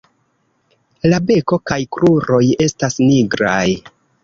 La beko kaj kruroj estas nigraj.